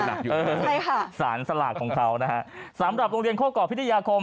ใช่ค่ะสารสลากของเขานะฮะสำหรับโรงเรียนโคก่อพิทยาคม